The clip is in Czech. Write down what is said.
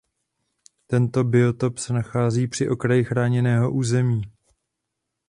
Tento biotop se nachází při okraji chráněného území.